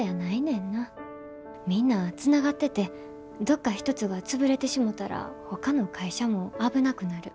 みんなつながっててどっか一つが潰れてしもたらほかの会社も危なくなる。